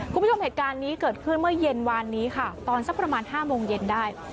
คุณผู้ชมเหตุการณ์นี้เกิดขึ้นเมื่อเย็นวานนี้ค่ะตอนสักประมาณ๕โมงเย็นได้